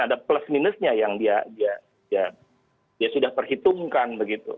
ada plus minusnya yang dia sudah perhitungkan begitu